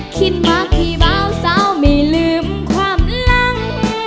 คิดมากที่เบาเสาไม่ลืมความรั้ง